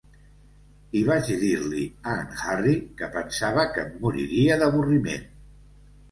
I vaig dir-li a en Harry que pensava que em moriria d'avorriment.